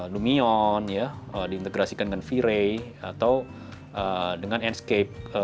numion diintegrasikan dengan v ray atau dengan enscape